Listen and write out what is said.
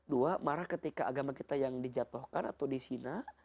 dua marah ketika agama kita yang dijatuhkan atau dihina